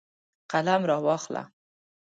قلم راواخله.